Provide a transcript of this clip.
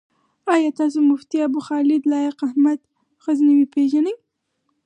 آيا تاسو مفتي ابوخالد لائق احمد غزنوي پيژنئ؟